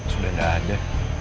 sudah enggak ada